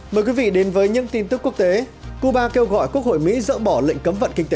mời quý vị đến với những tin tức quốc tế cuba kêu gọi quốc hội mỹ dỡ bỏ lệnh cấm vận kinh tế